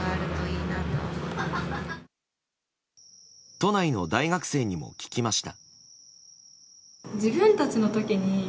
都内の大学生にも聞きました。